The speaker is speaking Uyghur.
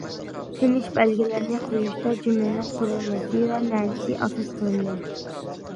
تىنىش بەلگىلىرىنى قويۇشتا جۈملىنىڭ قۇرۇلمىسى ۋە مەنىسى ئاساس قىلىنىدۇ.